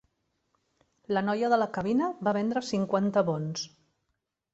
La noia de la cabina va vendre cinquanta bons.